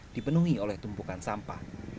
dipenuhi oleh tumpukan sampah